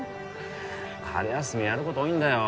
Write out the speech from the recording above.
春休みやること多いんだよ